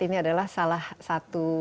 ini adalah salah satu